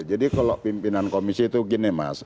jadi kalau pimpinan komisi itu gini mas